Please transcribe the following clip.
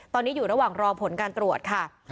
ตอนนี้อยู่ระหว่างรอผลการตรวจค่ะ